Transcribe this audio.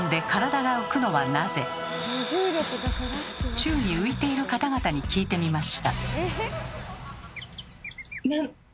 宙に浮いている方々に聞いてみました。